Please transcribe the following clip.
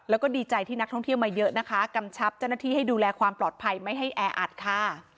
แล้วก็ดีใจที่นักท่องเที่ยวมาเยอะนะคะกำชับเจ้าหน้าที่ให้ดูแลความปลอดภัยไม่ให้แออัดค่ะ